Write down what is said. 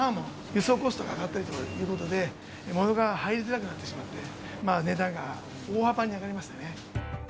輸送コストが上がったりとかいうことで、ものが入りづらくなってしまって、値段が大幅に上がりましたね。